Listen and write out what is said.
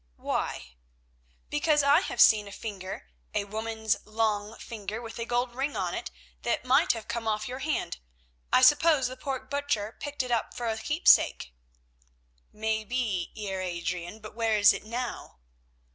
"Why?" "Because I have seen a finger, a woman's long finger with a gold ring on it, that might have come off your hand. I suppose the pork butcher picked it up for a keepsake." "May be, Heer Adrian, but where is it now?"